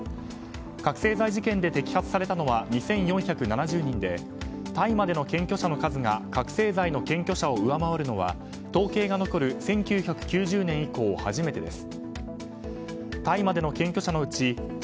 覚醒剤事件で摘発されたのは２４７０人で大麻での検挙者の数が覚醒剤の検挙者を上回るのは統計が残る１９９０年以降初めてです。